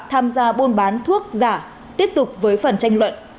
tham gia buôn bán thuốc giả tiếp tục với phần tranh luận